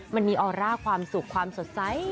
มันมีออร่าความสุขความสดใส